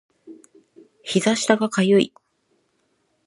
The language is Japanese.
膝下が痒い